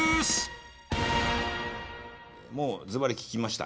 もうずばり聞きました。